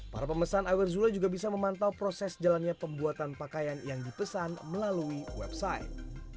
para pemesan iwer zula juga bisa memantau proses jalannya pembuatan pakaian yang dipesan melalui website